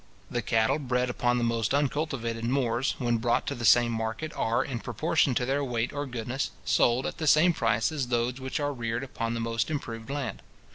The cattle bred upon the most uncultivated moors, when brought to the same market, are, in proportion to their weight or goodness, sold at the same price as those which are reared upon the most improved land.